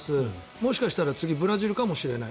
もしかしたら次、ブラジルかもしれない。